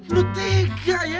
lu tega ya